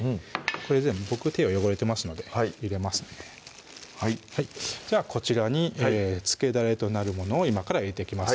これ全部僕手が汚れてますので入れますねじゃあこちらに漬けだれとなるものを今から入れていきます